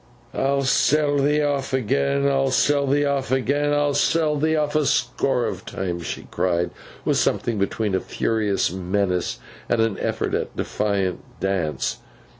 'I'll sell thee off again, and I'll sell thee off again, and I'll sell thee off a score of times!' she cried, with something between a furious menace and an effort at a defiant dance.